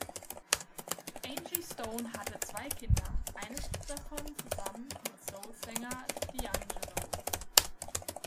Angie Stone hat zwei Kinder, eines davon zusammen mit Soul-Sänger D’Angelo.